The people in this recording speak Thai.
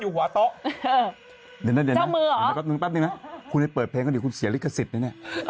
นึงอัดนึงนะคุณถึงเปิดเพลงดูสิคุณเสียลิขสิทธิ์